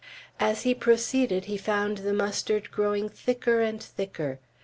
As he proceeded he found the mustard thicker and thicker.